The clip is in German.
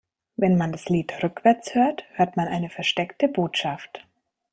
Wenn man das Lied rückwärts hört, hört man eine versteckte Botschaft.